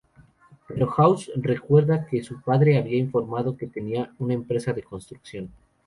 Pero House recuerda que su padre había informado que tenía una empresa de construcción.